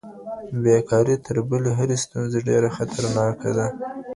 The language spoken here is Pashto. بیکاري تر بلې هرې ستونزې ډیره خطرناکه ده.